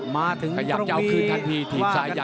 มาถึงตรงนี้